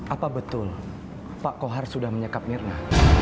apa betul pak kohar sudah menyekap mirna